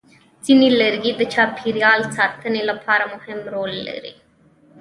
ځینې لرګي د چاپېریال ساتنې لپاره مهم رول لري.